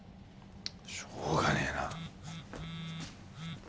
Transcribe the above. しょうがねえな。